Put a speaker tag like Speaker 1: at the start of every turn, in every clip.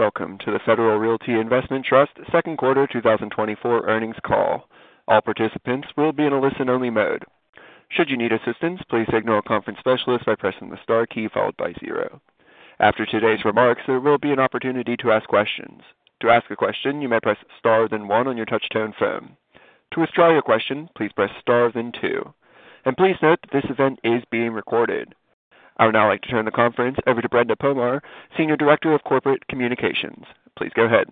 Speaker 1: Welcome to the Federal Realty Investment Trust Q2 2024 Earnings Call. All participants will be in a listen-only mode. Should you need assistance, please contact our conference specialist by pressing the star key followed by zero. After today's remarks, there will be an opportunity to ask questions. To ask a question, you may press star then one on your touch-tone phone. To withdraw your question, please press star then two. Please note that this event is being recorded. I would now like to turn the conference over to Brenda Pomar, Senior Director of Corporate Communications. Please go ahead.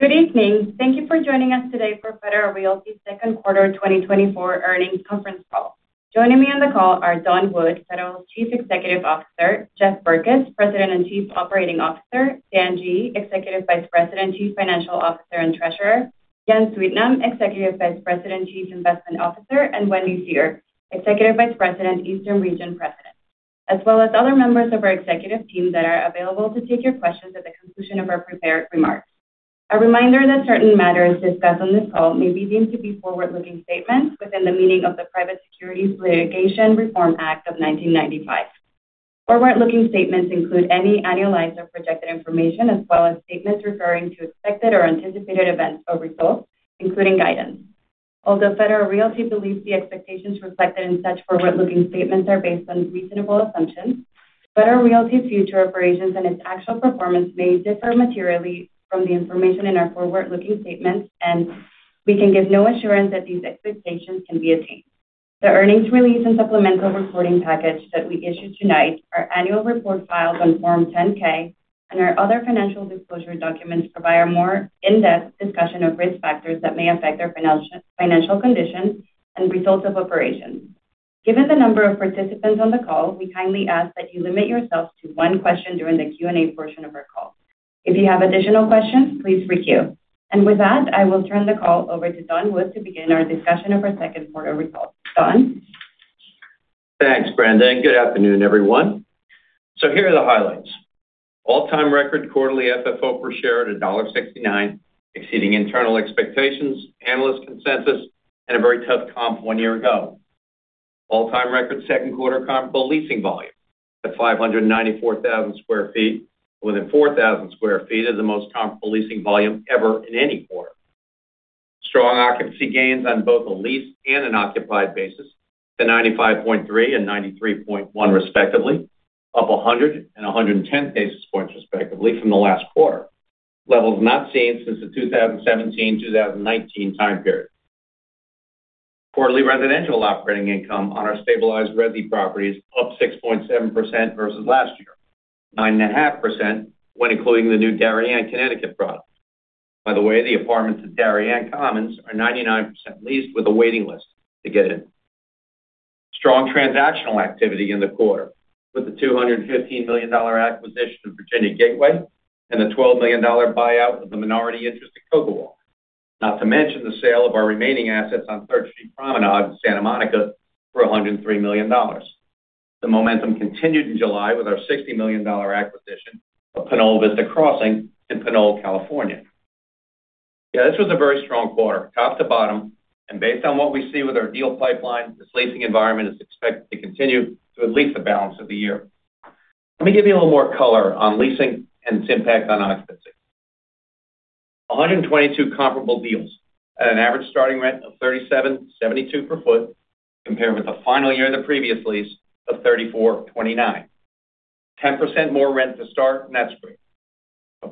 Speaker 2: Good evening. Thank you for joining us today for Federal Realty Q2 2024 Earnings Conference Call. Joining me on the call are Don Wood, Federal Chief Executive Officer; Jeff Berkes, President and Chief Operating Officer; Dan Guglielmone, Executive Vice President, Chief Financial Officer and Treasurer; Jan Sweetnam, Executive Vice President, Chief Investment Officer; and Wendy Seher, Executive Vice President, Eastern Region President, as well as other members of our executive team that are available to take your questions at the conclusion of our prepared remarks. A reminder that certain matters discussed on this call may be deemed to be forward-looking statements within the meaning of the Private Securities Litigation Reform Act of 1995. Forward-looking statements include any annualized or projected information, as well as statements referring to expected or anticipated events or results, including guidance. Although Federal Realty believes the expectations reflected in such forward-looking statements are based on reasonable assumptions, Federal Realty's future operations and its actual performance may differ materially from the information in our forward-looking statements, and we can give no assurance that these expectations can be attained. The earnings release and supplemental reporting package that we issue tonight, our annual report filed on Form 10-K, and our other financial disclosure documents provide a more in-depth discussion of risk factors that may affect our financial conditions and results of operations. Given the number of participants on the call, we kindly ask that you limit yourself to one question during the Q&A portion of our call. If you have additional questions, please requeue. And with that, I will turn the call over to Don Wood to begin our discussion of our Q2 results. Don?
Speaker 3: Thanks, Brenda. Good afternoon, everyone. Here are the highlights. All-time record quarterly FFO per share at $1.69, exceeding internal expectations, analyst consensus, and a very tough comp one year ago. All-time record Q2 comparable leasing volume at 594,000 sq ft, within 4,000 sq ft is the most comparable leasing volume ever in any quarter. Strong occupancy gains on both a lease and an occupied basis, to 95.3% and 93.1% respectively, up 100 and 110 basis points respectively from the last quarter. Levels not seen since the 2017-2019 time period. Quarterly residential operating income on our stabilized resi properties up 6.7% versus last year, 9.5% when including the new Darien Connecticut product. By the way, the apartments at Darien Commons are 99% leased with a waiting list to get in. Strong transactional activity in the quarter, with the $215 million acquisition of Virginia Gateway and the $12 million buyout of the minority interest at CocoWalk. Not to mention the sale of our remaining assets on Third Street Promenade in Santa Monica for $103 million. The momentum continued in July with our $60 million acquisition of Pinole Vista Crossing in Pinole, California. Yeah, this was a very strong quarter, top to bottom. Based on what we see with our deal pipeline, this leasing environment is expected to continue to at least the balance of the year. Let me give you a little more color on leasing and its impact on occupancy. 122 comparable deals at an average starting rent of $37.72 per foot, compared with the final year of the previous lease of $34.29. 10% more rent to start, and that's great.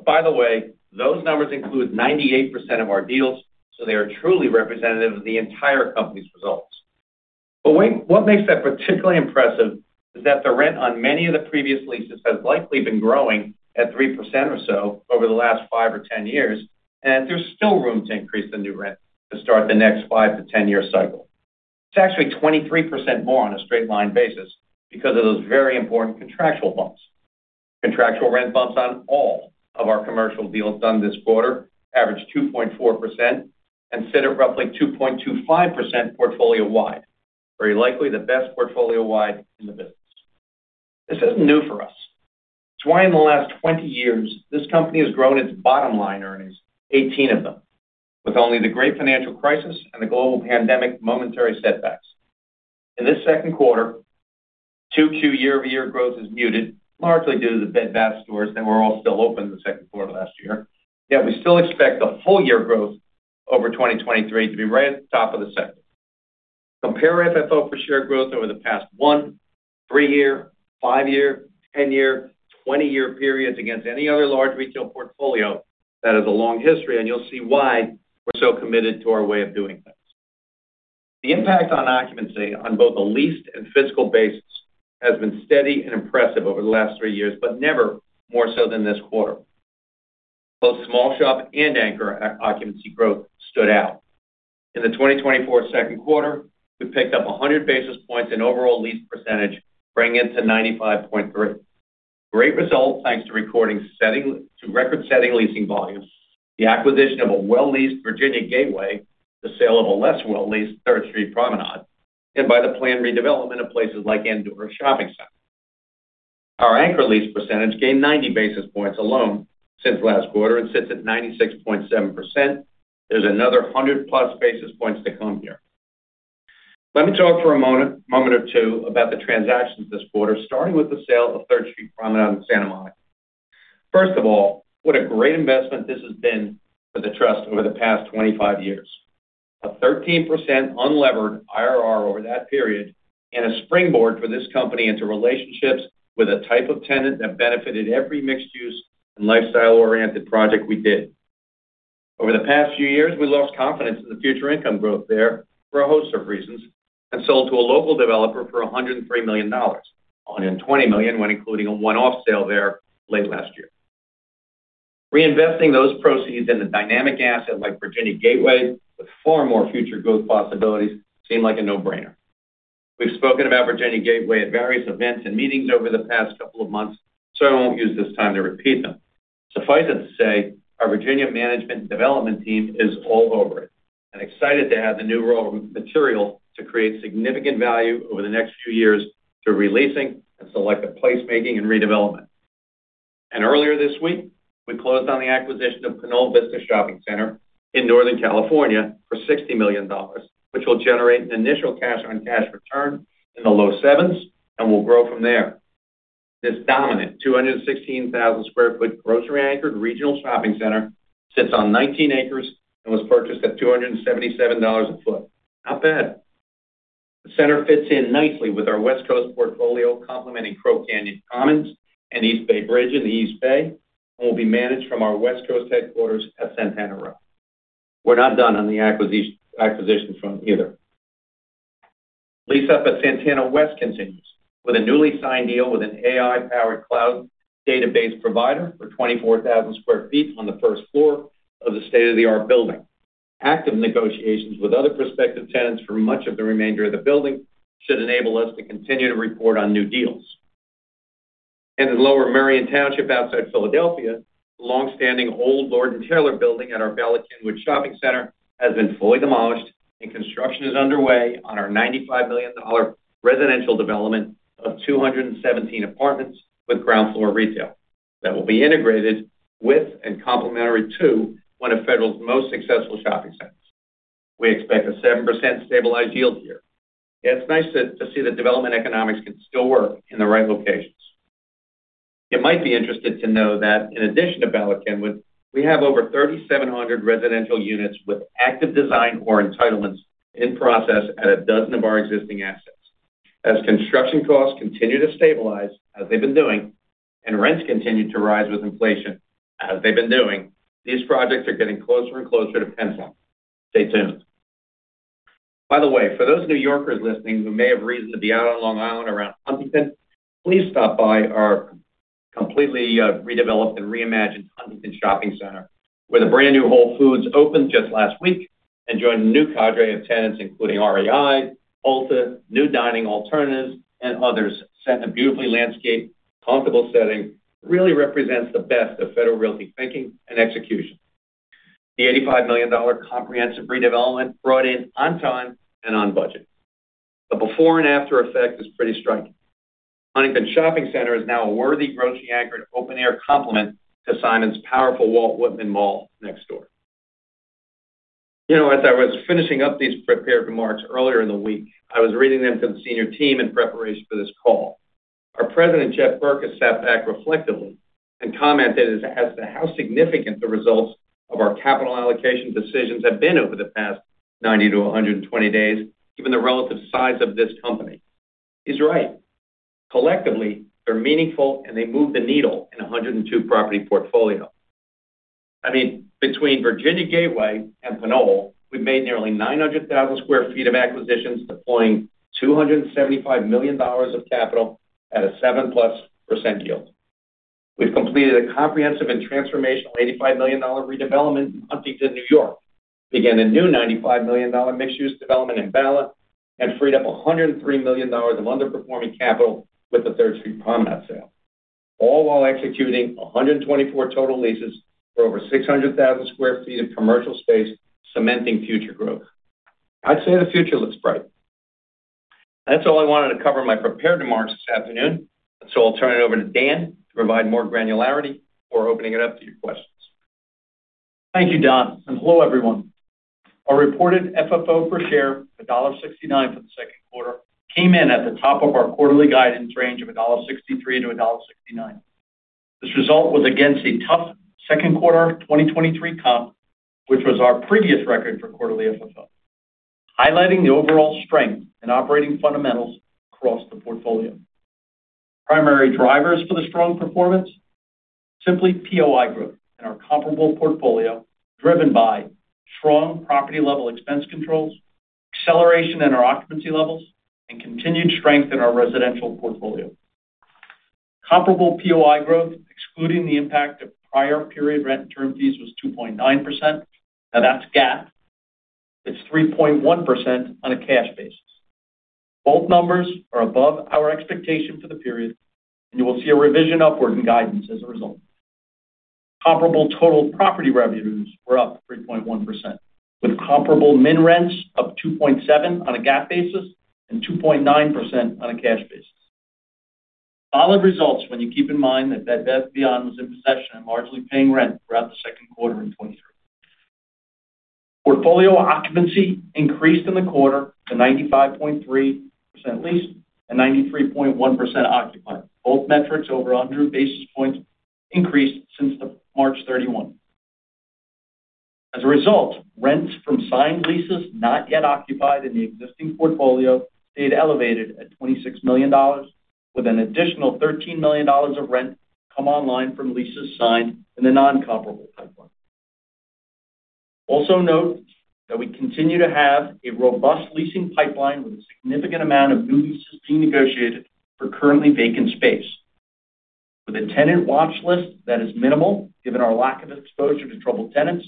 Speaker 3: By the way, those numbers include 98% of our deals, so they are truly representative of the entire company's results. But what makes that particularly impressive is that the rent on many of the previous leases has likely been growing at 3% or so over the last five or 10 years, and that there's still room to increase the new rent to start the next five- to 10-year cycle. It's actually 23% more on a straight-line basis because of those very important contractual bumps. Contractual rent bumps on all of our commercial deals done this quarter averaged 2.4% and sit at roughly 2.25% portfolio-wide. Very likely the best portfolio-wide in the business. This isn't new for us. It's why in the last 20 years, this company has grown its bottom line earnings, 18 of them, with only the great financial crisis and the global pandemic momentary setbacks. In this Q2, 2Q year-over-year growth has muted, largely due to the Bed Bath stores that were all still open the Q2 last year. Yet we still expect the full-year growth over 2023 to be right at the top of the sector. Compare FFO per share growth over the past 1-, 3-year, 5-year, 10-year, 20-year periods against any other large retail portfolio. That has a long history, and you'll see why we're so committed to our way of doing things. The impact on occupancy on both a leased and fiscal basis has been steady and impressive over the last three years, but never more so than this quarter. Both small shop and anchor occupancy growth stood out. In the 2024 Q2, we picked up 100 basis points in overall lease percentage, bringing it to 95.3%. Great result thanks to record-setting leasing volumes, the acquisition of a well-leased Virginia Gateway, the sale of a less well-leased Third Street Promenade, and by the planned redevelopment of places like Andorra Shopping Center. Our anchor lease percentage gained 90 basis points alone since last quarter and sits at 96.7%. There's another 100+ basis points to come here. Let me talk for a moment or two about the transactions this quarter, starting with the sale of Third Street Promenade in Santa Monica. First of all, what a great investment this has been for the trust over the past 25 years. A 13% unlevered IRR over that period, and a springboard for this company into relationships with a type of tenant that benefited every mixed-use and lifestyle-oriented project we did. Over the past few years, we lost confidence in the future income growth there for a host of reasons and sold to a local developer for $103 million, $120 million when including a one-off sale there late last year. Reinvesting those proceeds in a dynamic asset like Virginia Gateway with far more future growth possibilities seemed like a no-brainer. We've spoken about Virginia Gateway at various events and meetings over the past couple of months, so I won't use this time to repeat them. Suffice it to say, our Virginia management and development team is all over it and excited to have the new raw material to create significant value over the next few years through releasing and selective placemaking and redevelopment. Earlier this week, we closed on the acquisition of Pinole Vista Shopping Center in Northern California for $60 million, which will generate an initial cash-on-cash return in the low sevens and will grow from there. This dominant 216,000 sq ft grocery-anchored regional shopping center sits on 19 acres and was purchased at $277 a foot. Not bad. The center fits in nicely with our West Coast portfolio, complementing Crow Canyon Commons and East Bay Bridge in the East Bay, and will be managed from our West Coast headquarters at Santana Row. We're not done on the acquisition front either. Lease up at Santana West continues with a newly signed deal with an AI-powered cloud database provider for 24,000 sq ft on the first floor of the state-of-the-art building. Active negotiations with other prospective tenants for much of the remainder of the building should enable us to continue to report on new deals. In Lower Merion Township outside Philadelphia, the long-standing old Lord & Taylor building at our Bala Cynwyd Shopping Center has been fully demolished, and construction is underway on our $95 million residential development of 217 apartments with ground floor retail that will be integrated with and complementary to one of Federal's most successful shopping centers. We expect a 7% stabilized yield here. Yeah, it's nice to see that development economics can still work in the right locations. You might be interested to know that in addition to Bala Cynwyd, we have over 3,700 residential units with active design or entitlements in process at a dozen of our existing assets. As construction costs continue to stabilize, as they've been doing, and rents continue to rise with inflation, as they've been doing, these projects are getting closer and closer to penciled. Stay tuned. By the way, for those New Yorkers listening who may have reason to be out on Long Island around Huntington, please stop by our completely redeveloped and reimagined Huntington Shopping Center, where the brand new Whole Foods opened just last week and joined a new cadre of tenants, including REIs, Ulta, new dining alternatives, and others, set in a beautifully landscaped, comfortable setting, really represents the best of Federal Realty thinking and execution. The $85 million comprehensive redevelopment brought in on time and on budget. The before and after effect is pretty striking. Huntington Shopping Center is now a worthy grocery-anchored open-air complement to Simon's powerful Walt Whitman Mall next door. You know, as I was finishing up these prepared remarks earlier in the week, I was reading them to the senior team in preparation for this call. Our president, Jeff Berkes, sat back reflectively and commented as to how significant the results of our capital allocation decisions have been over the past 90-120 days, given the relative size of this company. He's right. Collectively, they're meaningful, and they moved the needle in a 102-property portfolio. I mean, between Virginia Gateway and Pinole, we've made nearly 900,000 sq ft of acquisitions, deploying $275 million of capital at a 7%+ yield. We've completed a comprehensive and transformational $85 million redevelopment in Huntington, New York, began a new $95 million mixed-use development in Bala, and freed up $103 million of underperforming capital with the Third Street Promenade sale, all while executing 124 total leases for over 600,000 sq ft of commercial space, cementing future growth. I'd say the future looks bright. That's all I wanted to cover in my prepared remarks this afternoon, so I'll turn it over to Dan to provide more granularity for opening it up to your questions.
Speaker 4: Thank you, Don. Hello, everyone. Our reported FFO per share at $1.69 for the Q2 came in at the top of our quarterly guidance range of $1.63-$1.69. This result was against a tough Q2 2023 comp, which was our previous record for quarterly FFO, highlighting the overall strength and operating fundamentals across the portfolio. Primary drivers for the strong performance? Simply POI growth in our comparable portfolio driven by strong property-level expense controls, acceleration in our occupancy levels, and continued strength in our residential portfolio. Comparable POI growth, excluding the impact of prior period rent and term fees, was 2.9%. Now, that's GAAP. It's 3.1% on a cash basis. Both numbers are above our expectation for the period, and you will see a revision upward in guidance as a result. Comparable total property revenues were up 3.1%, with comparable minimum rents up 2.7% on a GAAP basis and 2.9% on a cash basis. Solid results when you keep in mind that Bed Bath & Beyond was in possession and largely paying rent throughout the Q2 in 2023. Portfolio occupancy increased in the quarter to 95.3% leased and 93.1% occupied, both metrics over 100 basis points increased since March 31. As a result, rents from signed leases not yet occupied in the existing portfolio stayed elevated at $26 million, with an additional $13 million of rent come online from leases signed in the non-comparable pipeline. Also note that we continue to have a robust leasing pipeline with a significant amount of new leases being negotiated for currently vacant space. With a tenant watch list that is minimal given our lack of exposure to troubled tenants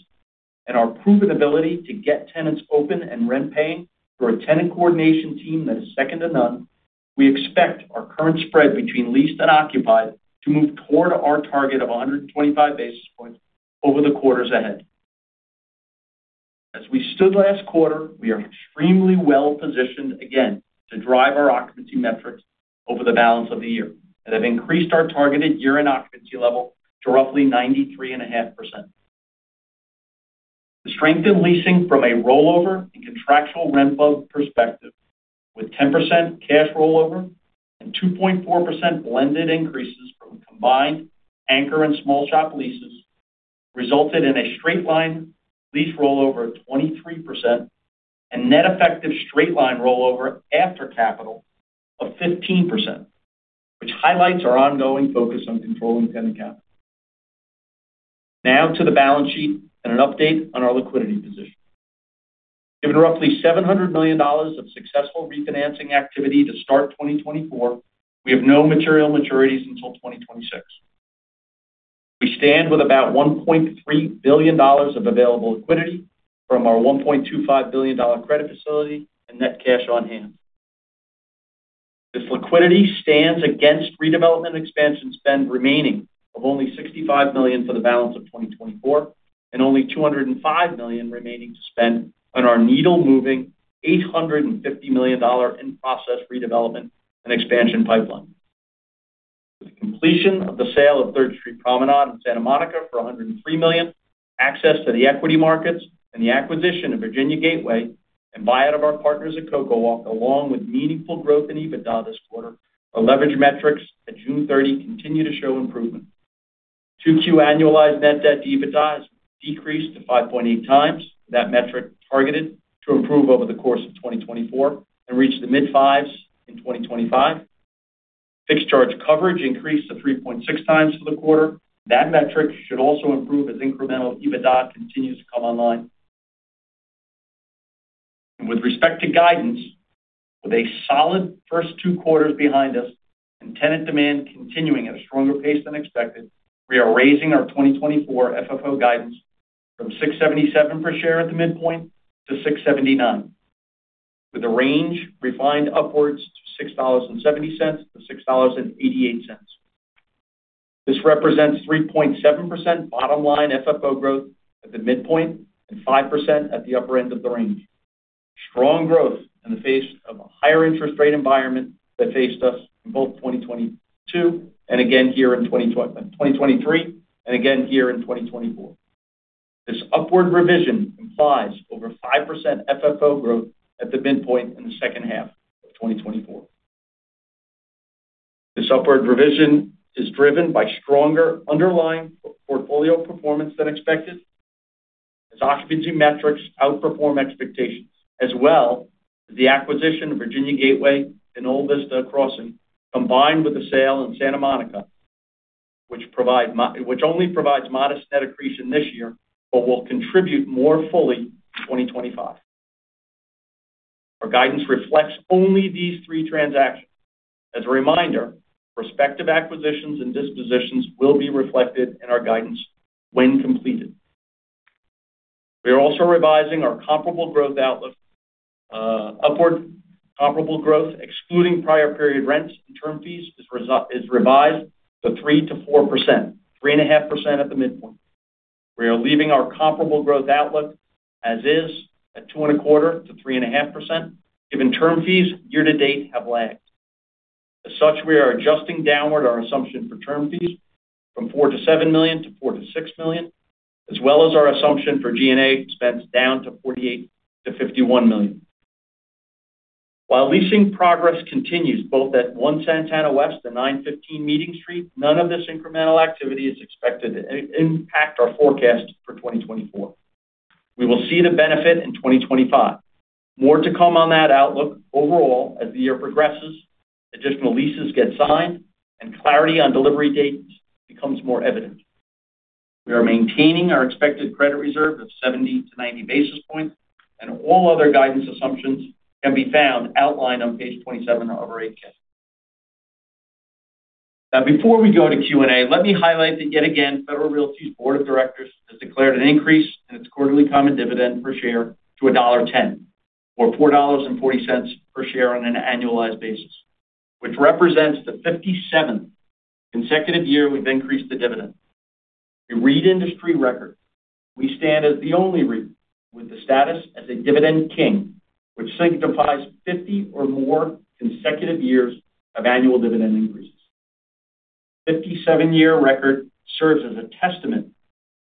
Speaker 4: and our proven ability to get tenants open and rent-paying through a tenant coordination team that is second to none, we expect our current spread between leased and occupied to move toward our target of 125 basis points over the quarters ahead. As we stood last quarter, we are extremely well-positioned again to drive our occupancy metrics over the balance of the year and have increased our targeted year-end occupancy level to roughly 93.5%. The strength in leasing from a rollover and contractual rent bump perspective, with 10% cash rollover and 2.4% blended increases from combined anchor and small shop leases, resulted in a straight-line lease rollover of 23% and net effective straight-line rollover after capital of 15%, which highlights our ongoing focus on controlling tenant capital. Now to the balance sheet and an update on our liquidity position. Given roughly $700 million of successful refinancing activity to start 2024, we have no material maturities until 2026. We stand with about $1.3 billion of available liquidity from our $1.25 billion credit facility and net cash on hand. This liquidity stands against redevelopment expansion spend remaining of only $65 million for the balance of 2024 and only $205 million remaining to spend on our needle-moving $850 million in process redevelopment and expansion pipeline. With the completion of the sale of Third Street Promenade in Santa Monica for $103 million, access to the equity markets and the acquisition of Virginia Gateway and buyout of our partners at CocoWalk, along with meaningful growth in EBITDA this quarter, our leverage metrics at June 30 continue to show improvement. 2Q annualized net debt to EBITDA has decreased to 5.8 times. That metric targeted to improve over the course of 2024 and reach the mid-fives in 2025. Fixed charge coverage increased to 3.6 times for the quarter. That metric should also improve as incremental EBITDA continues to come online. With respect to guidance, with a solid first two quarters behind us and tenant demand continuing at a stronger pace than expected, we are raising our 2024 FFO guidance from $6.77 per share at the midpoint to $6.79, with the range refined upwards to $6.70-$6.88. This represents 3.7% bottom-line FFO growth at the midpoint and 5% at the upper end of the range. Strong growth in the face of a higher interest rate environment that faced us in both 2022 and again here in 2023 and again here in 2024. This upward revision implies over 5% FFO growth at the midpoint in the second half of 2024. This upward revision is driven by stronger underlying portfolio performance than expected, as occupancy metrics outperform expectations, as well as the acquisition of Virginia Gateway and Pinole Vista Crossing, combined with the sale in Santa Monica, which only provides modest net accretion this year but will contribute more fully in 2025. Our guidance reflects only these three transactions. As a reminder, prospective acquisitions and dispositions will be reflected in our guidance when completed. We are also revising our comparable growth outlook. Upward comparable growth, excluding prior period rents and term fees, is revised to 3%-4%, 3.5% at the midpoint. We are leaving our comparable growth outlook as is at 2.25%-3.5%, given term fees year-to-date have lagged. As such, we are adjusting downward our assumption for term fees from $400,000 to $700,000 to $400,000 to $600,000, as well as our assumption for G&A expense down to $48-$51 million. While leasing progress continues both at 1 Santana West and 915 Meeting Street, none of this incremental activity is expected to impact our forecast for 2024. We will see the benefit in 2025. More to come on that outlook overall as the year progresses, additional leases get signed, and clarity on delivery dates becomes more evident. We are maintaining our expected credit reserve of 70 to 90 basis points, and all other guidance assumptions can be found outlined on page 27 of our 8K. Now, before we go to Q&A, let me highlight that yet again, Federal Realty's Board of Directors has declared an increase in its quarterly common dividend per share to $1.10 or $4.40 per share on an annualized basis, which represents the 57th consecutive year we've increased the dividend. A proud industry record, we stand as the only leader with the status as a dividend king, which signifies 50 or more consecutive years of annual dividend increases. The 57-year record serves as a testament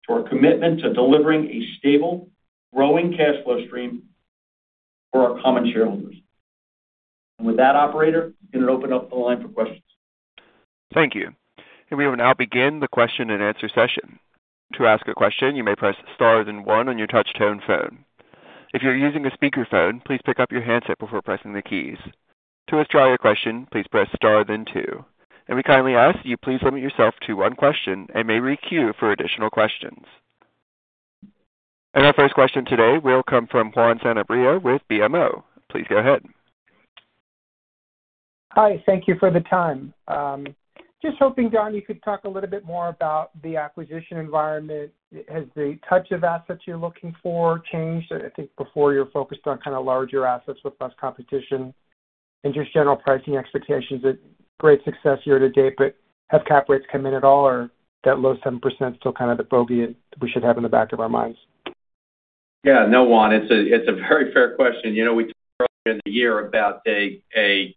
Speaker 4: to our commitment to delivering a stable, growing cash flow stream for our common shareholders. And with that, Operator, you can open up the line for questions.
Speaker 1: Thank you. We will now begin the question and answer session. To ask a question, you may press star then one on your touch-tone phone. If you're using a speakerphone, please pick up your handset before pressing the keys. To withdraw your question, please press star then two. We kindly ask that you please limit yourself to one question and may re-queue for additional questions. Our first question today will come from Juan Sanabria with BMO. Please go ahead.
Speaker 5: Hi. Thank you for the time. Just hoping, Don, you could talk a little bit more about the acquisition environment. Has the types of assets you're looking for changed? I think before you're focused on kind of larger assets with less competition and just general pricing expectations, great success year to date, but have cap rates come in at all, or that low 7% still kind of the bogey we should have in the back of our minds?
Speaker 3: Yeah, no, Juan, it's a very fair question. You know, we talked earlier in the year about a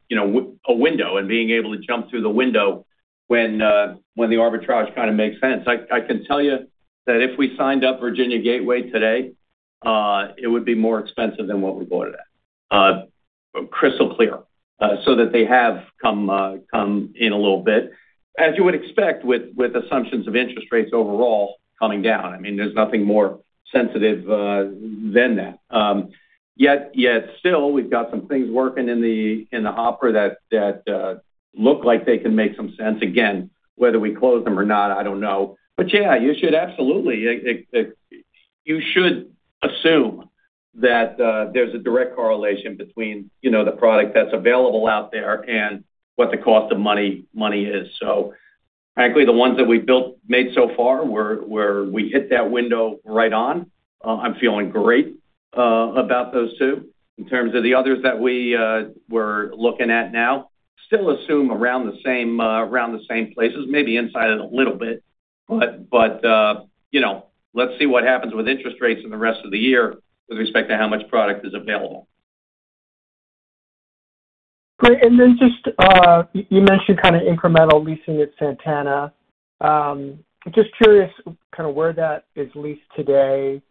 Speaker 3: window and being able to jump through the window when the arbitrage kind of makes sense. I can tell you that if we signed up Virginia Gateway today, it would be more expensive than what we bought it at, crystal clear, so that they have come in a little bit, as you would expect with assumptions of interest rates overall coming down. I mean, there's nothing more sensitive than that. Yet still, we've got some things working in the hopper that look like they can make some sense. Again, whether we close them or not, I don't know. But yeah, you should absolutely assume that there's a direct correlation between the product that's available out there and what the cost of money is. So, frankly, the ones that we've built made so far where we hit that window right on, I'm feeling great about those two. In terms of the others that we were looking at now, still assume around the same places, maybe inside it a little bit, but let's see what happens with interest rates in the rest of the year with respect to how much product is available.
Speaker 5: Great. Then just you mentioned kind of incremental leasing at Santana. Just curious kind of where that is leased today,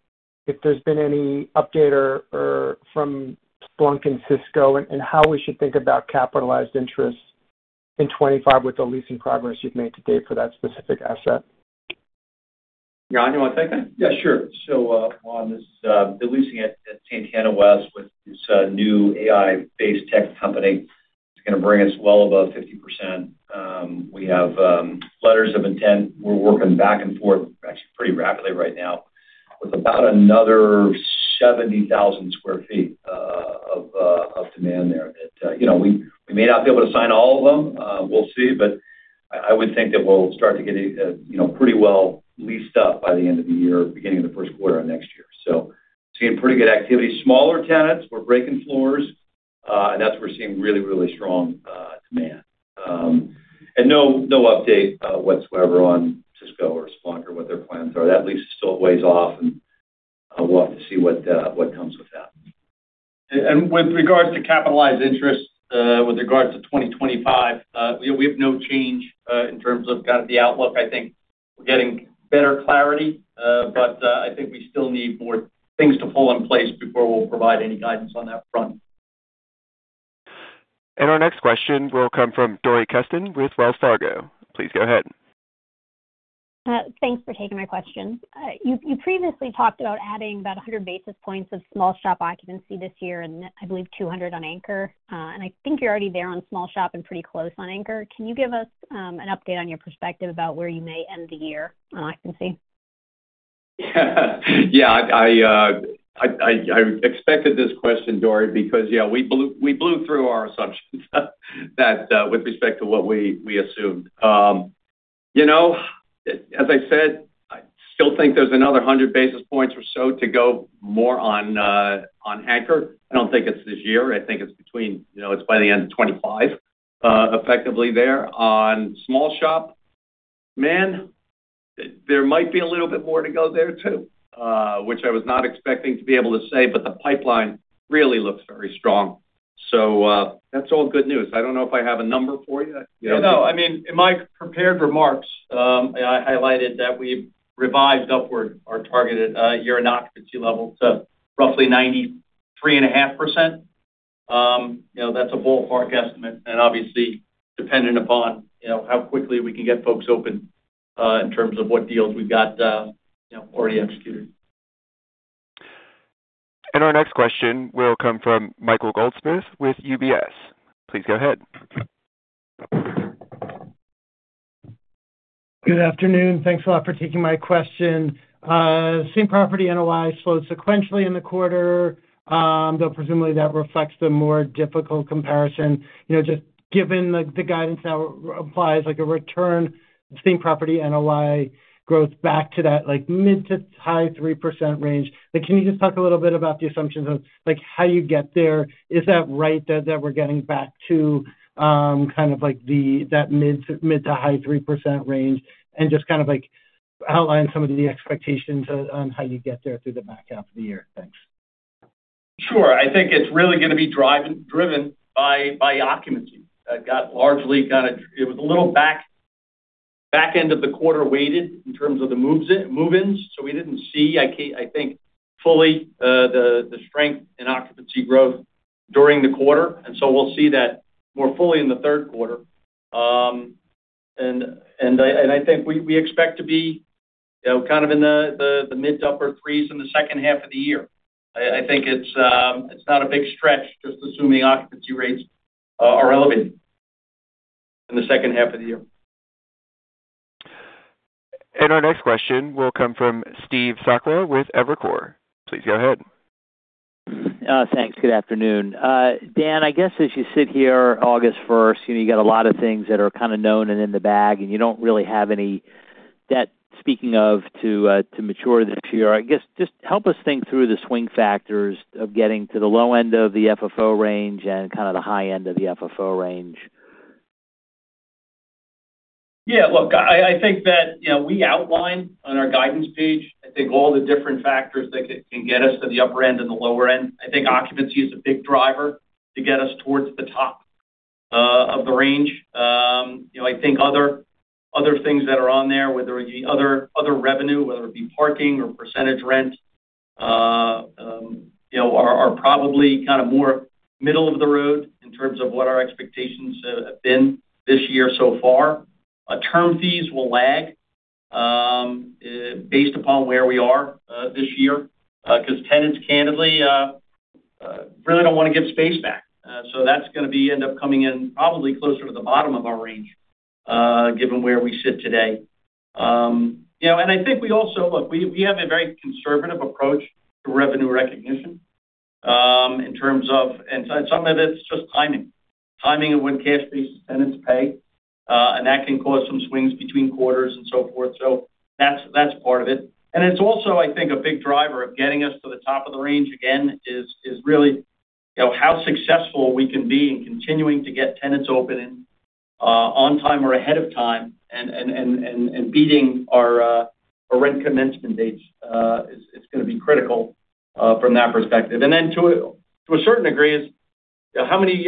Speaker 5: if there's been any update from Splunk and Cisco, and how we should think about capitalized interest in 2025 with the leasing progress you've made today for that specific asset?
Speaker 3: John, do you want to take that?
Speaker 6: Yeah, sure. So Juan, the leasing at Santana West with this new AI-based tech company is going to bring us well above 50%. We have letters of intent. We're working back and forth, actually, pretty rapidly right now with about another 70,000 sq ft of demand there. We may not be able to sign all of them. We'll see. But I would think that we'll start to get pretty well leased up by the end of the year, beginning of the Q1 of next year. So seeing pretty good activity. Smaller tenants were breaking floors, and that's where we're seeing really, really strong demand. And no update whatsoever on Cisco or Splunk or what their plans are. That lease still weighs off, and we'll have to see what comes with that.
Speaker 3: With regards to capitalized interest, with regards to 2025, we have no change in terms of kind of the outlook. I think we're getting better clarity, but I think we still need more things to fall in place before we'll provide any guidance on that front.
Speaker 1: Our next question will come from Dori Kesten with Wells Fargo. Please go ahead.
Speaker 7: Thanks for taking my question. You previously talked about adding about 100 basis points of small shop occupancy this year and I believe 200 on anchor. I think you're already there on small shop and pretty close on anchor. Can you give us an update on your perspective about where you may end the year on occupancy?
Speaker 3: Yeah, I expected this question, Dori, because, yeah, we blew through our assumptions with respect to what we assumed. As I said, I still think there's another 100 basis points or so to go more on anchor. I don't think it's this year. I think it's between—it's by the end of 2025, effectively, there. On small shop, man, there might be a little bit more to go there too, which I was not expecting to be able to say, but the pipeline really looks very strong. So that's all good news. I don't know if I have a number for you.
Speaker 4: Yeah, no. I mean, in my prepared remarks, I highlighted that we've revised upward our targeted year-end occupancy level to roughly 93.5%. That's a ballpark estimate, and obviously dependent upon how quickly we can get folks open in terms of what deals we've got already executed.
Speaker 1: Our next question will come from Michael Goldsmith with UBS. Please go ahead.
Speaker 8: Good afternoon. Thanks a lot for taking my question. Same Property NOI slowed sequentially in the quarter, though presumably that reflects the more difficult comparison. Just given the guidance now applies like a return of same Property NOI growth back to that mid- to high 3% range. Can you just talk a little bit about the assumptions of how you get there? Is that right that we're getting back to kind of that mid- to high 3% range? And just kind of outline some of the expectations on how you get there through the back half of the year. Thanks.
Speaker 3: Sure. I think it's really going to be driven by occupancy. It got largely kind of it was a little back end of the quarter weighted in terms of the move-ins. So we didn't see, I think, fully the strength in occupancy growth during the quarter. And so we'll see that more fully in the Q3. And I think we expect to be kind of in the mid- to upper-3s in the second half of the year. I think it's not a big stretch just assuming occupancy rates are elevated in the second half of the year.
Speaker 1: Our next question will come from Steve Sakwa with Evercore. Please go ahead.
Speaker 9: Thanks. Good afternoon. Dan, I guess as you sit here, August 1st, you got a lot of things that are kind of known and in the bag, and you don't really have any debt speaking of to mature this year. I guess just help us think through the swing factors of getting to the low end of the FFO range and kind of the high end of the FFO range.
Speaker 4: Yeah. Look, I think that we outlined on our guidance page, I think, all the different factors that can get us to the upper end and the lower end. I think occupancy is a big driver to get us towards the top of the range. I think other things that are on there, whether it be other revenue, whether it be parking or percentage rent, are probably kind of more middle of the road in terms of what our expectations have been this year so far. Term fees will lag based upon where we are this year because tenants, candidly, really don't want to give space back. So that's going to end up coming in probably closer to the bottom of our range, given where we sit today. And I think we also, look, we have a very conservative approach to revenue recognition in terms of, and some of it's just timing, timing of when cash-based tenants pay, and that can cause some swings between quarters and so forth. So that's part of it. And it's also, I think, a big driver of getting us to the top of the range again is really how successful we can be in continuing to get tenants open on time or ahead of time and beating our rent commencement dates. It's going to be critical from that perspective. And then to a certain degree, how many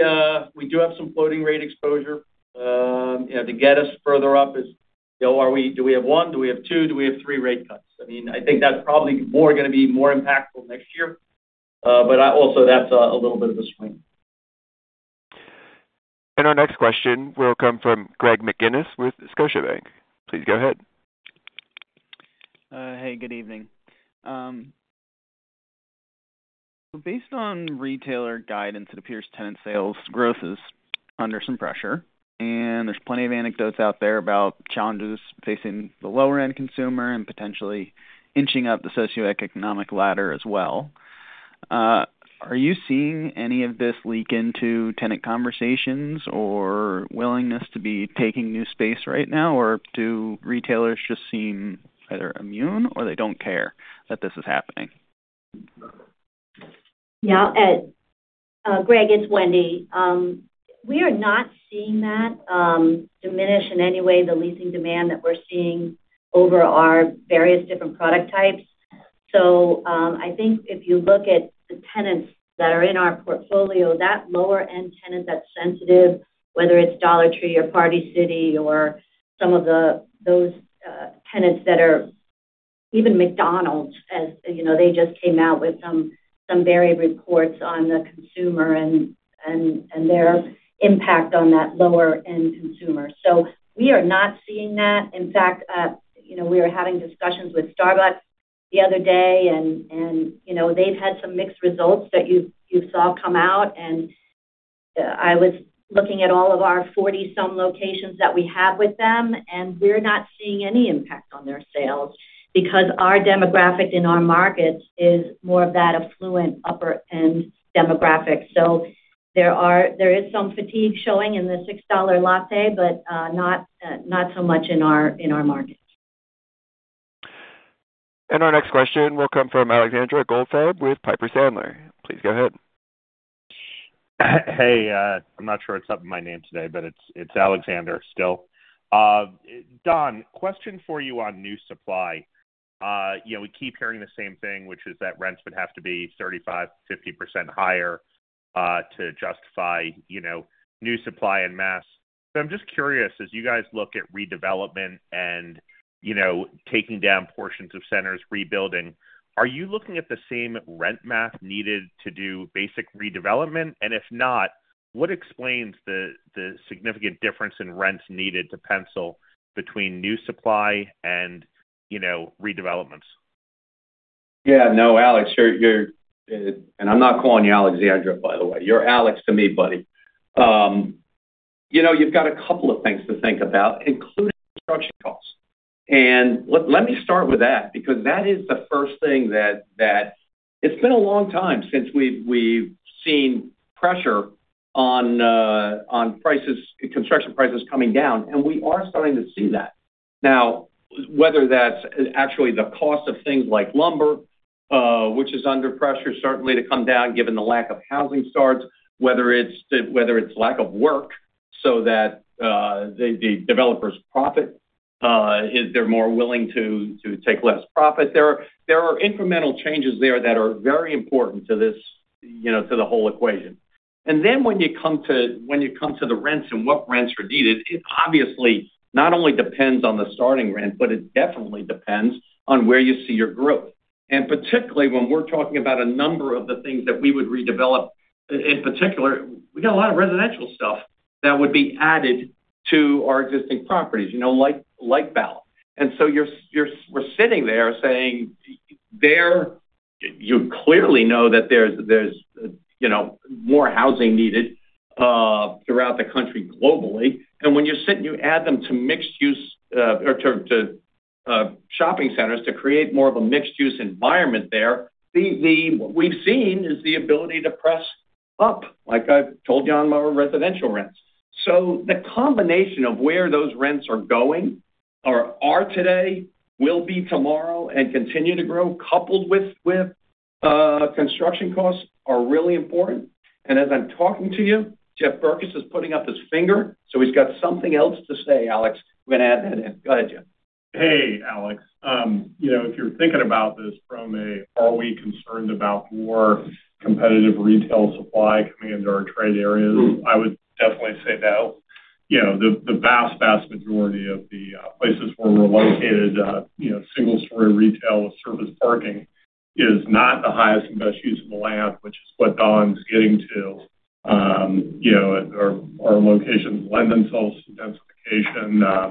Speaker 4: we do have some floating rate exposure to get us further up is, do we have one? Do we have two? Do we have three rate cuts? I mean, I think that's probably more going to be more impactful next year, but also that's a little bit of a swing.
Speaker 1: Our next question will come from Greg McGinniss with Scotiabank. Please go ahead.
Speaker 10: Hey, good evening. So based on retailer guidance, it appears tenant sales growth is under some pressure, and there's plenty of anecdotes out there about challenges facing the lower-end consumer and potentially inching up the socioeconomic ladder as well. Are you seeing any of this leak into tenant conversations or willingness to be taking new space right now, or do retailers just seem either immune or they don't care that this is happening?
Speaker 11: Yeah. Greg, it's Wendy. We are not seeing that diminish in any way, the leasing demand that we're seeing over our various different product types. So I think if you look at the tenants that are in our portfolio, that lower-end tenant that's sensitive, whether it's Dollar Tree or Party City or some of those tenants that are even McDonald's, they just came out with some varied reports on the consumer and their impact on that lower-end consumer. So we are not seeing that. In fact, we were having discussions with Starbucks the other day, and they've had some mixed results that you saw come out. And I was looking at all of our 40-some locations that we have with them, and we're not seeing any impact on their sales because our demographic in our market is more of that affluent upper-end demographic. There is some fatigue showing in the $6 latte, but not so much in our market.
Speaker 1: Our next question will come from Alex Goldfarb with Piper Sandler. Please go ahead. Hey. I'm not sure it's up in my name today, but it's Alexander still. Don, question for you on new supply. We keep hearing the same thing, which is that rents would have to be 35%-50% higher to justify new supply en masse. So I'm just curious, as you guys look at redevelopment and taking down portions of centers, rebuilding, are you looking at the same rent math needed to do basic redevelopment? And if not, what explains the significant difference in rents needed to pencil between new supply and redevelopments?
Speaker 3: Yeah. No, Alex. And I'm not calling you Alexandra, by the way. You're Alex to me, buddy. You've got a couple of things to think about, including construction costs. And let me start with that because that is the first thing that it's been a long time since we've seen pressure on construction prices coming down, and we are starting to see that. Now, whether that's actually the cost of things like lumber, which is under pressure certainly to come down given the lack of housing starts, whether it's lack of work so that the developers profit, they're more willing to take less profit. There are incremental changes there that are very important to the whole equation. And then when you come to the rents and what rents are needed, it obviously not only depends on the starting rent, but it definitely depends on where you see your growth. And particularly when we're talking about a number of the things that we would redevelop, in particular, we got a lot of residential stuff that would be added to our existing properties, like Bala. And so we're sitting there saying there, you clearly know that there's more housing needed throughout the country globally. And when you sit and you add them to mixed-use or to shopping centers to create more of a mixed-use environment there, what we've seen is the ability to press up, like I've told you on our residential rents. So the combination of where those rents are going, are today, will be tomorrow, and continue to grow, coupled with construction costs, are really important. And as I'm talking to you, Jeff Berkes is putting up his finger. So he's got something else to say, Alex. We're going to add that in. Go ahead, Jeff.
Speaker 4: Hey, Alex. If you're thinking about this from a, are we concerned about more competitive retail supply coming into our trade areas? I would definitely say no. The vast, vast majority of the places where we're located, single-story retail with surface parking is not the highest and best use of the land, which is what Don's getting to. Our locations lend themselves to densification,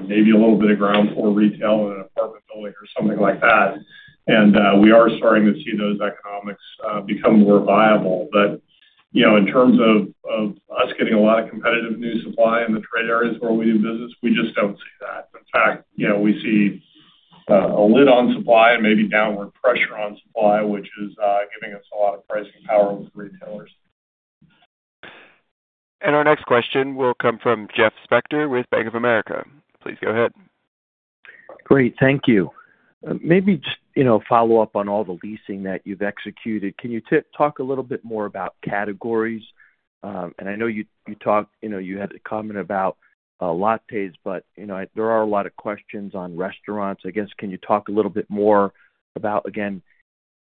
Speaker 4: maybe a little bit of ground floor retail in an apartment building or something like that. And we are starting to see those economics become more viable. But in terms of us getting a lot of competitive new supply in the trade areas where we do business, we just don't see that. In fact, we see a lid on supply and maybe downward pressure on supply, which is giving us a lot of pricing power with retailers.
Speaker 1: Our next question will come from Jeff Spector with Bank of America. Please go ahead.
Speaker 12: Great. Thank you. Maybe just follow up on all the leasing that you've executed. Can you talk a little bit more about categories? And I know you had a comment about lattes, but there are a lot of questions on restaurants. I guess can you talk a little bit more about, again,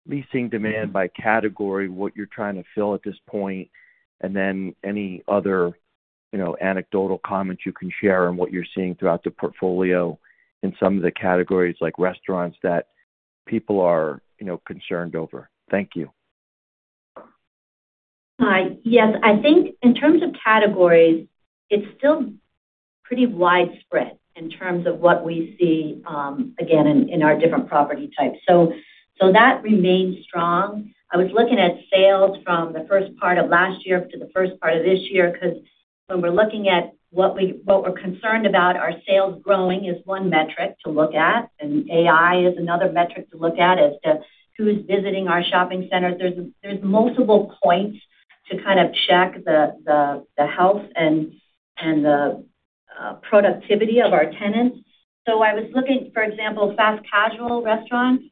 Speaker 12: leasing demand by category, what you're trying to fill at this point, and then any other anecdotal comments you can share on what you're seeing throughout the portfolio in some of the categories like restaurants that people are concerned over? Thank you.
Speaker 11: Yes. I think in terms of categories, it's still pretty widespread in terms of what we see, again, in our different property types. So that remains strong. I was looking at sales from the first part of last year to the first part of this year because when we're looking at what we're concerned about, our sales growing is one metric to look at, and AI is another metric to look at as to who's visiting our shopping centers. There's multiple points to kind of check the health and the productivity of our tenants. So I was looking, for example, fast casual restaurants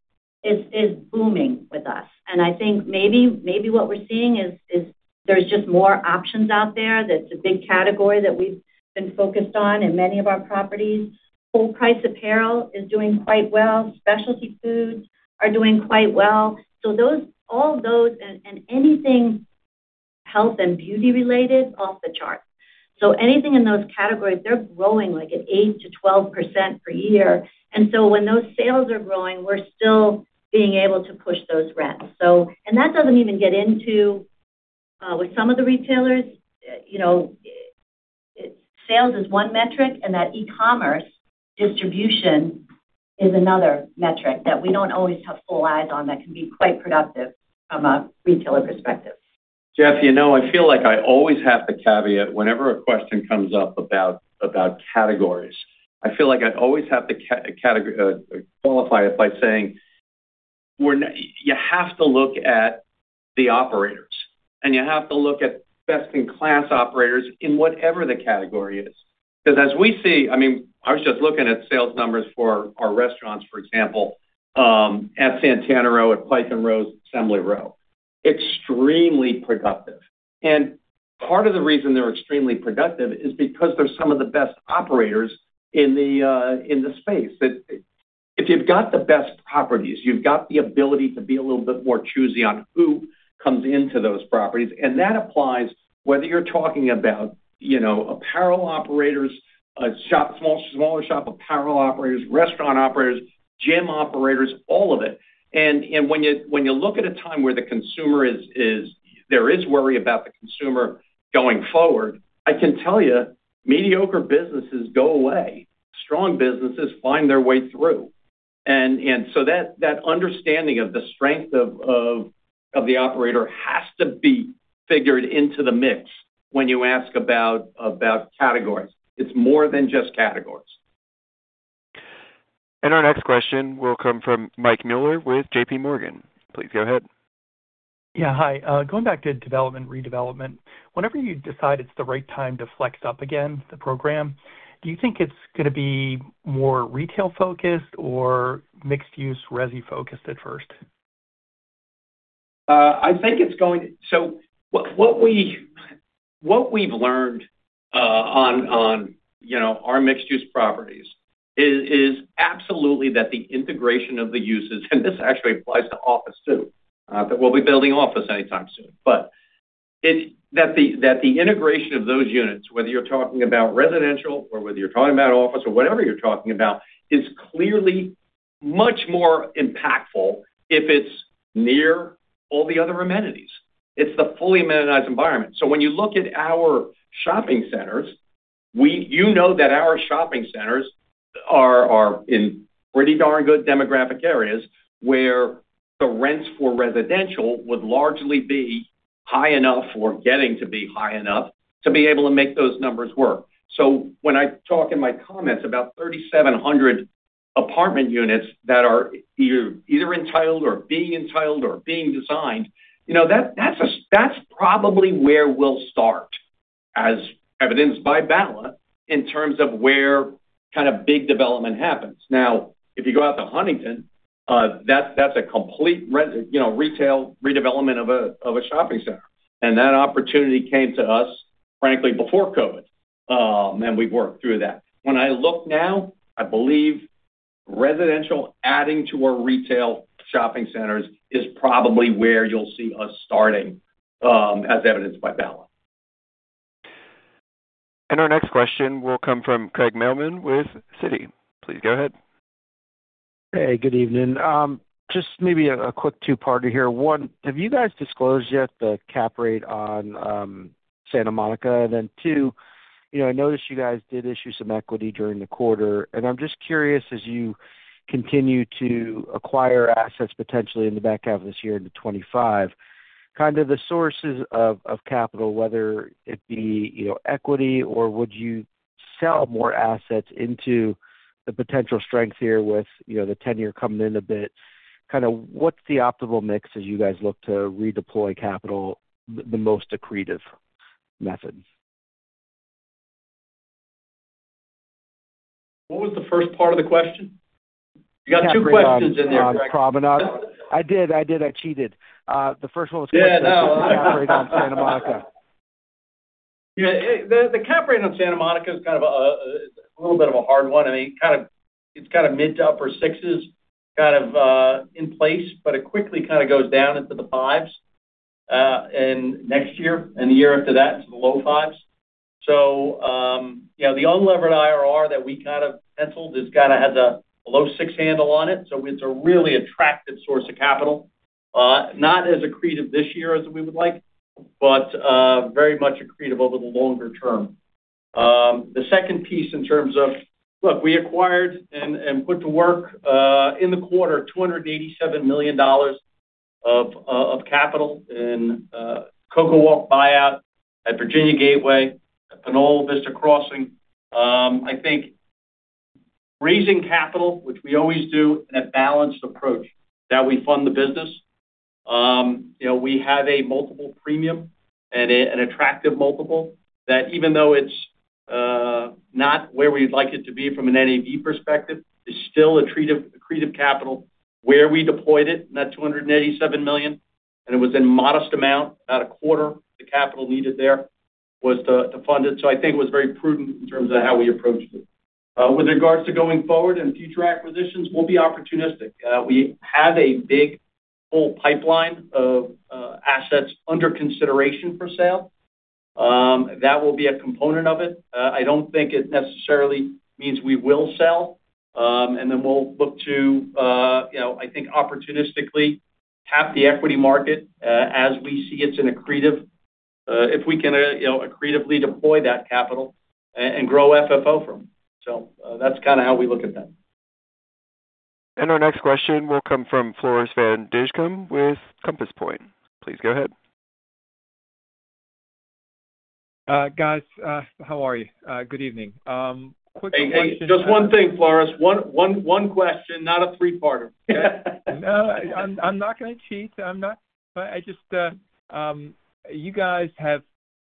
Speaker 11: is booming with us. And I think maybe what we're seeing is there's just more options out there. That's a big category that we've been focused on in many of our properties. Full price apparel is doing quite well. Specialty foods are doing quite well. So all those and anything health and beauty related off the chart. So anything in those categories, they're growing like an 8%-12% per year. And so when those sales are growing, we're still being able to push those rents. And that doesn't even get into with some of the retailers, sales is one metric, and that e-commerce distribution is another metric that we don't always have full eyes on that can be quite productive from a retailer perspective.
Speaker 3: Jeff, I feel like I always have the caveat whenever a question comes up about categories. I feel like I always have to qualify it by saying you have to look at the operators, and you have to look at best-in-class operators in whatever the category is. Because as we see, I mean, I was just looking at sales numbers for our restaurants, for example, at Santana Row and Assembly Row. Extremely productive. And part of the reason they're extremely productive is because they're some of the best operators in the space. If you've got the best properties, you've got the ability to be a little bit more choosy on who comes into those properties. And that applies whether you're talking about apparel operators, a smaller shop, apparel operators, restaurant operators, gym operators, all of it. When you look at a time where there is worry about the consumer going forward, I can tell you mediocre businesses go away. Strong businesses find their way through. And so that understanding of the strength of the operator has to be figured into the mix when you ask about categories. It's more than just categories.
Speaker 1: Our next question will come from Mike Miller with J.P. Morgan. Please go ahead.
Speaker 13: Yeah. Hi. Going back to development, redevelopment, whenever you decide it's the right time to flex up again the program, do you think it's going to be more retail-focused or mixed-use resi-focused at first?
Speaker 3: I think it's going to so what we've learned on our mixed-use properties is absolutely that the integration of the uses, and this actually applies to office too, that we'll be building office anytime soon. But that the integration of those units, whether you're talking about residential or whether you're talking about office or whatever you're talking about, is clearly much more impactful if it's near all the other amenities. It's the fully amenitized environment. So when you look at our shopping centers, you know that our shopping centers are in pretty darn good demographic areas where the rents for residential would largely be high enough or getting to be high enough to be able to make those numbers work. So when I talk in my comments about 3,700 apartment units that are either entitled or being entitled or being designed, that's probably where we'll start, as evidenced by Bala in terms of where kind of big development happens. Now, if you go out to Huntington, that's a complete retail redevelopment of a shopping center. And that opportunity came to us, frankly, before COVID, and we've worked through that. When I look now, I believe residential adding to our retail shopping centers is probably where you'll see us starting, as evidenced by Bala.
Speaker 1: Our next question will come from Craig Mailman with Citi. Please go ahead.
Speaker 14: Hey. Good evening. Just maybe a quick two-parter here. One, have you guys disclosed yet the cap rate on Santa Monica? And then two, I noticed you guys did issue some equity during the quarter. And I'm just curious, as you continue to acquire assets potentially in the back half of this year into 2025, kind of the sources of capital, whether it be equity or would you sell more assets into the potential strength here with the 10-year coming in a bit, kind of what's the optimal mix as you guys look to redeploy capital, the most accretive method?
Speaker 3: What was the first part of the question? You got two questions in there.
Speaker 14: I did. I did. I cheated. The first one was.
Speaker 3: Yeah. No.
Speaker 14: The Cap Rate on Santa Monica.
Speaker 3: Yeah. The cap rate on Santa Monica is kind of a little bit of a hard one. I mean, it's kind of mid- to upper sixes, kind of in place, but it quickly kind of goes down into the fives next year and the year after that into the low fives. So the unlevered IRR that we kind of penciled has kind of a low six handle on it. So it's a really attractive source of capital, not as accretive this year as we would like, but very much accretive over the longer term. The second piece in terms of, look, we acquired and put to work in the quarter $287 million of capital in CocoWalk buyout at Virginia Gateway, at Pinole Vista Crossing. I think raising capital, which we always do, and a balanced approach that we fund the business. We have a multiple premium and an attractive multiple that even though it's not where we'd like it to be from an NAV perspective, it's still accretive capital where we deployed it, and that $287 million. It was a modest amount, about a quarter of the capital needed there was to fund it. So I think it was very prudent in terms of how we approached it. With regards to going forward and future acquisitions, we'll be opportunistic. We have a big full pipeline of assets under consideration for sale. That will be a component of it. I don't think it necessarily means we will sell. And then we'll look to, I think, opportunistically tap the equity market as we see it's an accretive if we can accretively deploy that capital and grow FFO from it. So that's kind of how we look at that.
Speaker 1: Our next question will come from Floris Van Dijkum with Compass Point. Please go ahead.
Speaker 15: Guys, how are you? Good evening. Quick question.
Speaker 3: Hey. Just one thing, Flores. One question, not a three-parter.
Speaker 15: No. I'm not going to cheat. I just, you guys have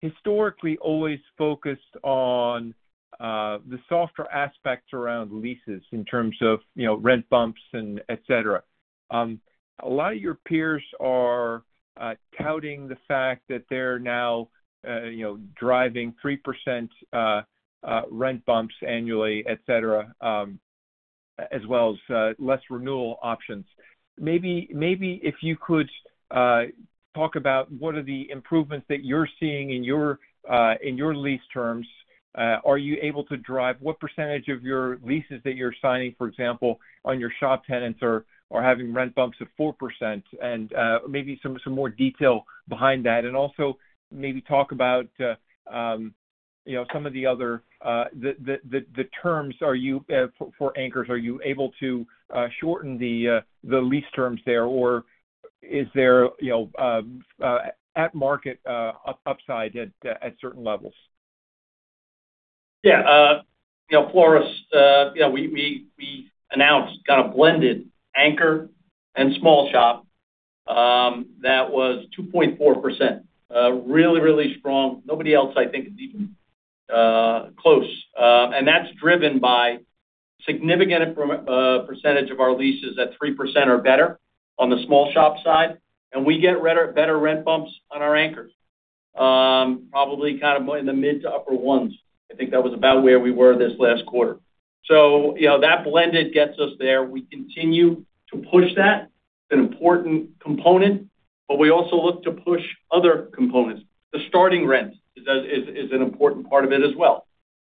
Speaker 15: historically always focused on the softer aspects around leases in terms of rent bumps and etc. A lot of your peers are touting the fact that they're now driving 3% rent bumps annually, etc., as well as less renewal options. Maybe if you could talk about what are the improvements that you're seeing in your lease terms, are you able to drive what percentage of your leases that you're signing, for example, on your shop tenants are having rent bumps of 4%? And maybe some more detail behind that. And also maybe talk about some of the other terms for anchors. Are you able to shorten the lease terms there, or is there at-market upside at certain levels?
Speaker 3: Yeah. Flores, we announced kind of blended anchor and small shop. That was 2.4%. Really, really strong. Nobody else, I think, is even close. And that's driven by a significant percentage of our leases at 3% or better on the small shop side. And we get better rent bumps on our anchors, probably kind of in the mid to upper ones. I think that was about where we were this last quarter. So that blended gets us there. We continue to push that. It's an important component, but we also look to push other components. The starting rent is an important part of it as well.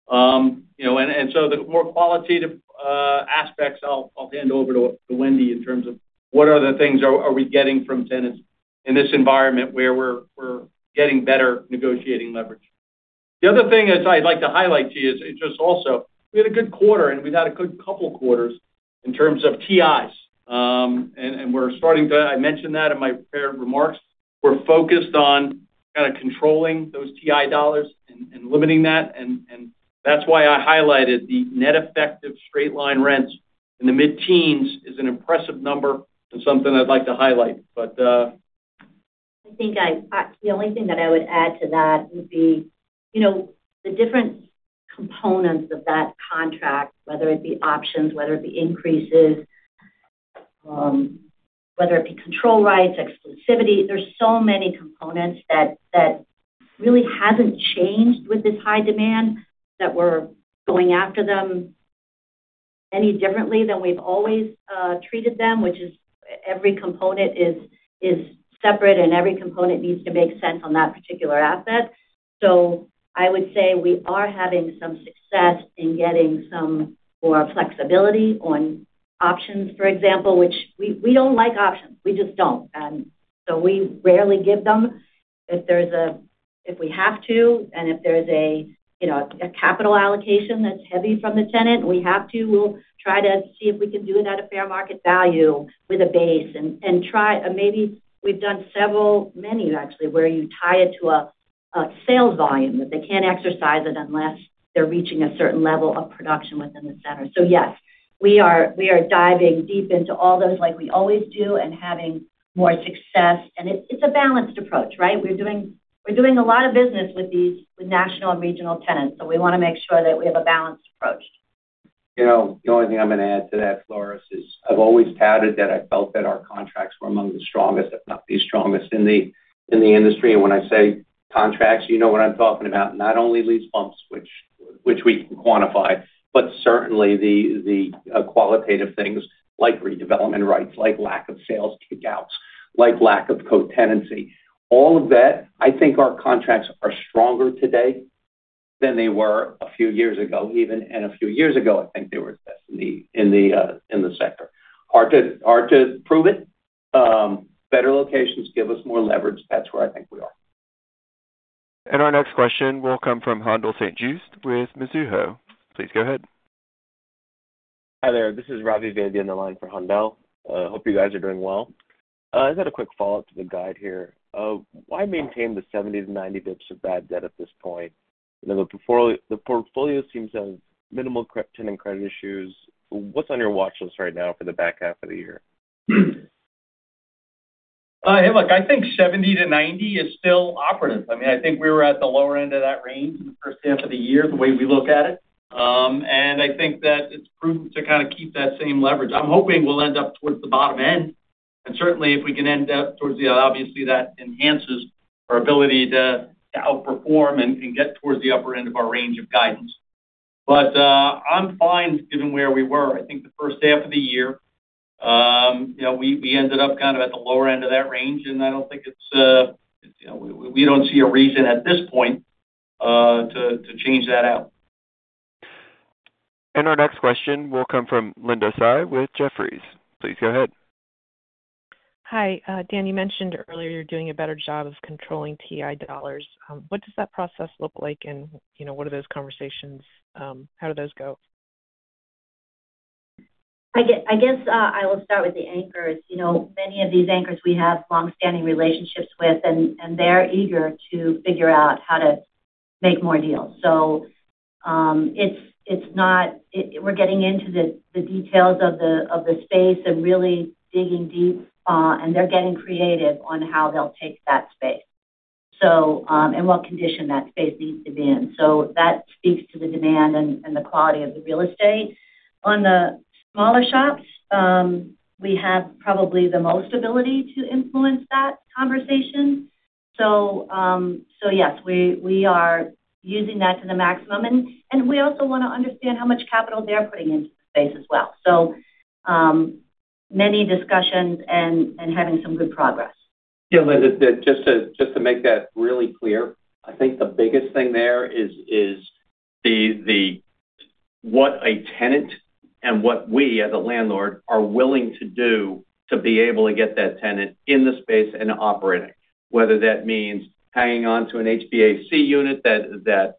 Speaker 3: And so the more qualitative aspects, I'll hand over to Wendy in terms of what are the things are we getting from tenants in this environment where we're getting better negotiating leverage. The other thing I'd like to highlight to you is just also we had a good quarter, and we've had a good couple of quarters in terms of TIs. And we're starting to, I mentioned that in my remarks, we're focused on kind of controlling those TI dollars and limiting that. And that's why I highlighted the net effective straight-line rents in the mid-teens is an impressive number and something I'd like to highlight. But.
Speaker 11: I think the only thing that I would add to that would be the different components of that contract, whether it be options, whether it be increases, whether it be control rights, exclusivity. There's so many components that really haven't changed with this high demand that we're going after them any differently than we've always treated them, which is every component is separate and every component needs to make sense on that particular asset. So I would say we are having some success in getting some more flexibility on options, for example, which we don't like options. We just don't. And so we rarely give them if we have to. And if there's a capital allocation that's heavy from the tenant, we have to. We'll try to see if we can do it at a fair market value with a base and try. Maybe we've done several, many actually, where you tie it to a sales volume that they can't exercise it unless they're reaching a certain level of production within the center. So yes, we are diving deep into all those like we always do and having more success. And it's a balanced approach, right? We're doing a lot of business with national and regional tenants. So we want to make sure that we have a balanced approach.
Speaker 3: The only thing I'm going to add to that, Flores, is I've always touted that I felt that our contracts were among the strongest, if not the strongest in the industry. When I say contracts, you know what I'm talking about, not only lease bumps, which we can quantify, but certainly the qualitative things like redevelopment rights, like lack of sales kickouts, like lack of co-tenancy. All of that, I think our contracts are stronger today than they were a few years ago even. A few years ago, I think they were the best in the sector. Hard to prove it. Better locations give us more leverage. That's where I think we are.
Speaker 1: Our next question will come from Haendel St. Juste with Mizuho. Please go ahead.
Speaker 16: Hi there. This is Ravi Vaidya on the line for Haendel. Hope you guys are doing well. I just had a quick follow-up to the guide here. Why maintain the 70-90 basis points of bad debt at this point? The portfolio seems to have minimal tenant credit issues. What's on your watch list right now for the back half of the year?
Speaker 3: Hey, look, I think 70-90 is still operative. I mean, I think we were at the lower end of that range in the first half of the year the way we look at it. And I think that it's prudent to kind of keep that same leverage. I'm hoping we'll end up towards the bottom end. And certainly, if we can end up towards the end, obviously, that enhances our ability to outperform and get towards the upper end of our range of guidance. But I'm fine given where we were. I think the first half of the year, we ended up kind of at the lower end of that range. And I don't think it's we don't see a reason at this point to change that out.
Speaker 1: Our next question will come from Linda Tsai with Jefferies. Please go ahead.
Speaker 17: Hi. Dan, you mentioned earlier you're doing a better job of controlling TI dollars. What does that process look like, and what are those conversations? How do those go?
Speaker 11: I guess I will start with the anchors. Many of these anchors we have long-standing relationships with, and they're eager to figure out how to make more deals. So we're getting into the details of the space and really digging deep, and they're getting creative on how they'll take that space and what condition that space needs to be in. So that speaks to the demand and the quality of the real estate. On the smaller shops, we have probably the most ability to influence that conversation. So yes, we are using that to the maximum. And we also want to understand how much capital they're putting into the space as well. So many discussions and having some good progress.
Speaker 3: Yeah. Just to make that really clear, I think the biggest thing there is what a tenant and what we as a landlord are willing to do to be able to get that tenant in the space and operating, whether that means hanging on to an HVAC unit that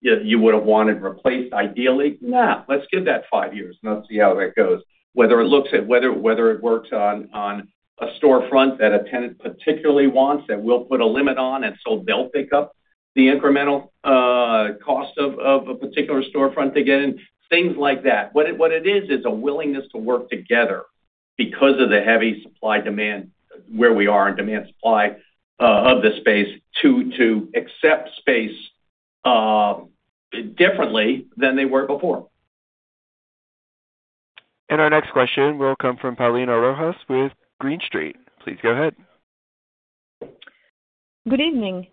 Speaker 3: you would have wanted replaced ideally. Nah, let's give that five years and let's see how that goes. Whether it looks at whether it works on a storefront that a tenant particularly wants that we'll put a limit on and so they'll pick up the incremental cost of a particular storefront to get in, things like that. What it is, is a willingness to work together because of the heavy supply demand where we are in demand supply of the space to accept space differently than they were before.
Speaker 1: Our next question will come from Paulina Rojas with Green Street. Please go ahead.
Speaker 18: Good evening.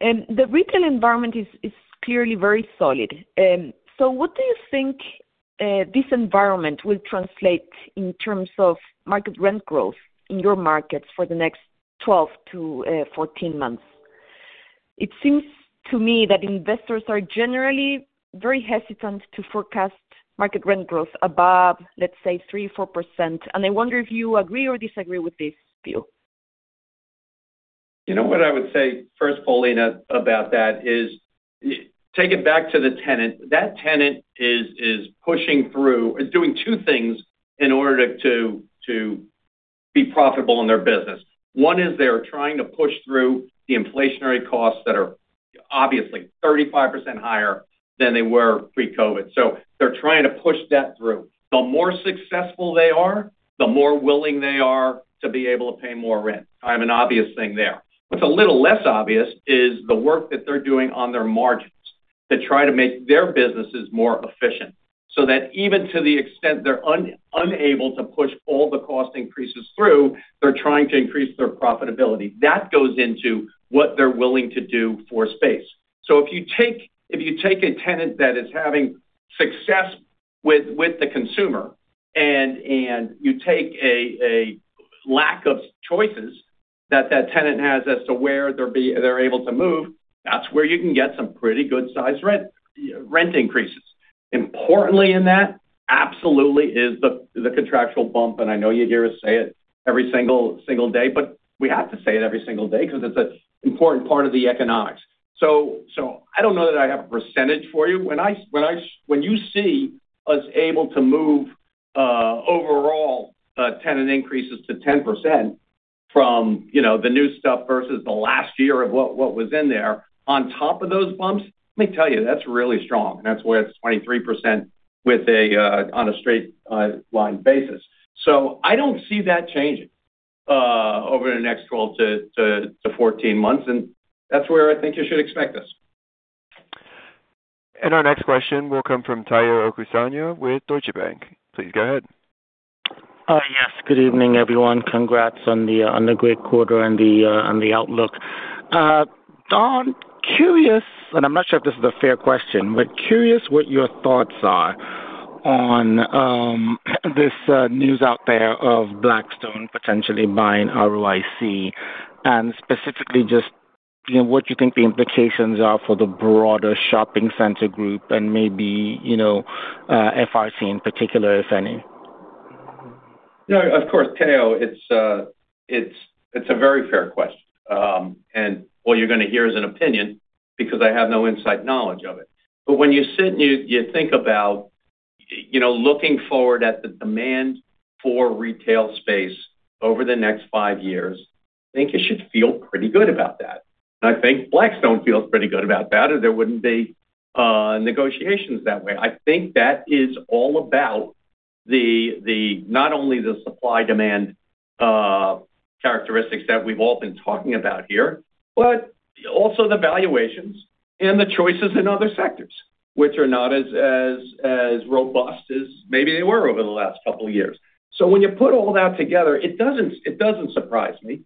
Speaker 18: The retail environment is clearly very solid. What do you think this environment will translate in terms of market rent growth in your markets for the next 12-14 months? It seems to me that investors are generally very hesitant to forecast market rent growth above, let's say, 3%-4%. I wonder if you agree or disagree with this view.
Speaker 3: You know what I would say first, Paulina, about that is take it back to the tenant. That tenant is pushing through, is doing two things in order to be profitable in their business. One is they're trying to push through the inflationary costs that are obviously 35% higher than they were pre-COVID. So they're trying to push that through. The more successful they are, the more willing they are to be able to pay more rent. Kind of an obvious thing there. What's a little less obvious is the work that they're doing on their margins to try to make their businesses more efficient so that even to the extent they're unable to push all the cost increases through, they're trying to increase their profitability. That goes into what they're willing to do for space. If you take a tenant that is having success with the consumer and you take a lack of choices that that tenant has as to where they're able to move, that's where you can get some pretty good-sized rent increases. Importantly in that, absolutely, is the contractual bump. I know you hear us say it every single day, but we have to say it every single day because it's an important part of the economics. I don't know that I have a percentage for you. When you see us able to move overall tenant increases to 10% from the new stuff versus the last year of what was in there on top of those bumps, let me tell you, that's really strong. That's why it's 23% on a straight line basis. I don't see that changing over the next 12-14 months. That's where I think you should expect us.
Speaker 1: Our next question will come from Tayo Okusanya with Deutsche Bank. Please go ahead.
Speaker 19: Yes. Good evening, everyone. Congrats on the great quarter and the outlook. I'm curious, and I'm not sure if this is a fair question, but curious what your thoughts are on this news out there of Blackstone potentially buying ROIC and specifically just what you think the implications are for the broader shopping center group and maybe FRT in particular, if any?
Speaker 3: Of course, Tayo, it's a very fair question. What you're going to hear is an opinion because I have no inside knowledge of it. When you sit and you think about looking forward at the demand for retail space over the next five years, I think you should feel pretty good about that. I think Blackstone feels pretty good about that, or there wouldn't be negotiations that way. I think that is all about not only the supply-demand characteristics that we've all been talking about here, but also the valuations and the choices in other sectors, which are not as robust as maybe they were over the last couple of years. When you put all that together, it doesn't surprise me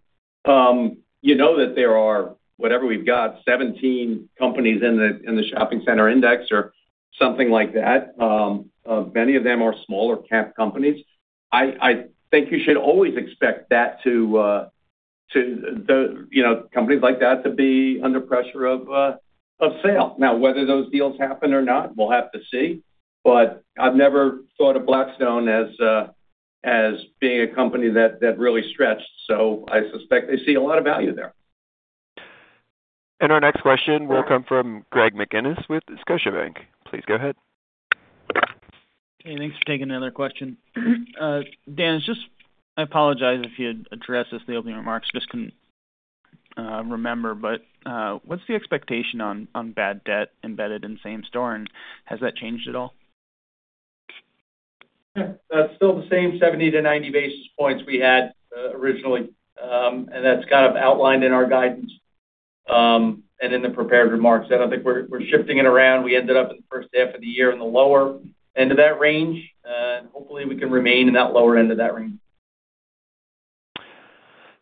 Speaker 3: that there are, whatever we've got, 17 companies in the shopping center index or something like that. Many of them are smaller cap companies. I think you should always expect companies like that to be under pressure of sale. Now, whether those deals happen or not, we'll have to see. But I've never thought of Blackstone as being a company that really stretched. So I suspect they see a lot of value there.
Speaker 1: Our next question will come from Greg McGinniss with Scotiabank. Please go ahead.
Speaker 10: Hey, thanks for taking another question. Dan, I apologize if you had addressed this in the opening remarks. Just couldn't remember. But what's the expectation on bad debt embedded in same store? And has that changed at all?
Speaker 3: That's still the same 70-90 basis points we had originally. And that's kind of outlined in our guidance and in the prepared remarks. I don't think we're shifting it around. We ended up in the first half of the year in the lower end of that range. And hopefully, we can remain in that lower end of that range.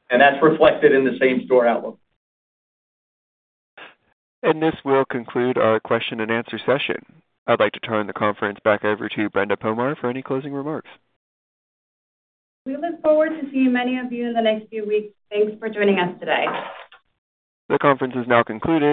Speaker 3: And that's reflected in the same store outlook.
Speaker 1: This will conclude our question and answer session. I'd like to turn the conference back over to Brenda Pomar for any closing remarks.
Speaker 2: We look forward to seeing many of you in the next few weeks. Thanks for joining us today.
Speaker 1: The conference is now concluded.